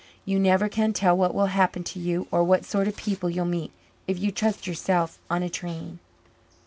You never can tell what will happen to you or what sort of people you'll meet if you trust yourself on a train."